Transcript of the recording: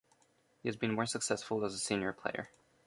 He has been more successful as a senior player.